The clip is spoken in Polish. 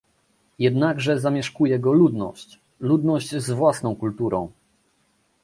Jednakże zamieszkuje go ludność - ludność z własną kulturą